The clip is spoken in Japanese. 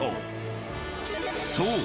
［そう。